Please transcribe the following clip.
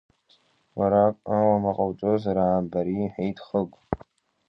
Уарак ауама ҟауҵозар аамбари, — иҳәеит Хыгә.